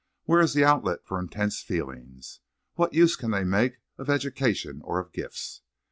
Where is the outlet for intense feelings? What use can they make of education or of gifts?